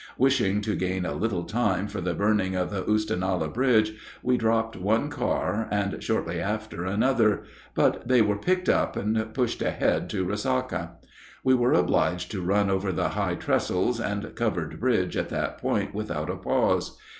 Wishing to gain a little time for the burning of the Oostenaula bridge, we dropped one car, and, shortly after, another; but they were "picked up" and pushed ahead to Resaca. We were obliged to run over the high trestles and covered bridge at that point without a pause.